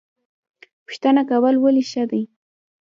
پوښتنه کول ولې ښه دي؟